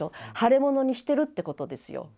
腫れ物にしてるってことですよ。